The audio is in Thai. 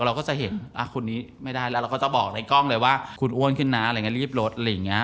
เราก็จะเห็นคนนี้ไม่ได้แล้วเราก็จะบอกในกล้องเลยว่าคุณอ้วนขึ้นนะอะไรอย่างนี้รีบรถอะไรอย่างนี้